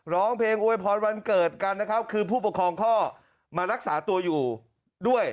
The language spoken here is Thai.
ร้องเพลงโวยพรวันเกิดกันนะครับคือผู้ปกครองก็มารักษาตัวอยู่ด้วย